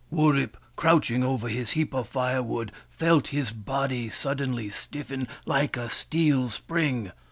Wurip, crouching over his heap of firewood, felt his body suddenly stiffened like a steel spring.